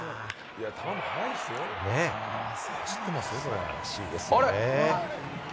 素晴らしいですね。